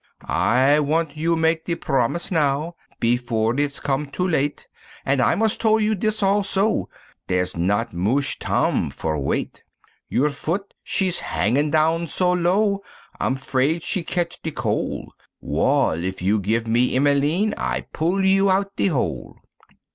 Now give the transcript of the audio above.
"I want you mak de promise now, before it's come too late, An' I mus' tole you dis also, dere's not moche tam for wait. Your foot she's hangin' down so low, I'm 'fraid she ketch de cole, Wall! if you give me Emmeline, I pull you out de hole."